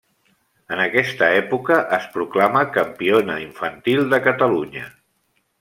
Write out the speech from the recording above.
En aquesta època es proclama campiona infantil de Catalunya.